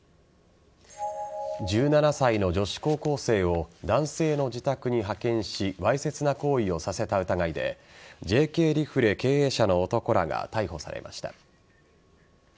１７歳の女子高校生を男性の自宅に派遣しわいせつな行為をさせた疑いでＪＫリフレ経営者の男らが逮捕されました。